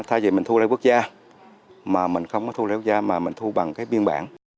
thay vì mình thu lên quốc gia mà mình không có thu lễ quốc gia mà mình thu bằng cái biên bản